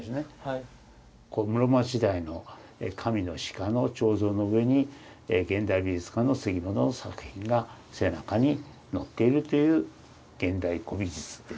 室町時代の神の鹿の彫像の上に現代美術家の杉本の作品が背中にのっているという現代古美術っていうんですかね。